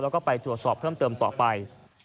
แล้วก็ไปตรวจสอบเพิ่มเติมต่อไป